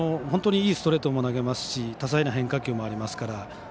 いいストレートも投げますし多彩な変化球もありますから。